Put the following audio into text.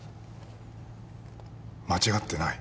間違ってない。